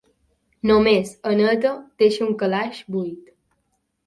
Només “eneta” deixa un calaix buit.